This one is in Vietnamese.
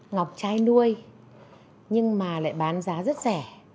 ngọc chai nuôi nhưng mà lại bán giá rất rẻ